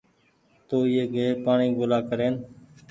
تو ايئي گئي پآڻيٚ ڳولآ ڪرين